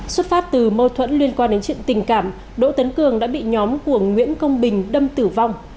xuất phát từ mâu thuẫn liên quan đến chuyện tình cảm đỗ tấn cường đã bị nhóm của nguyễn công bình đâm tử vong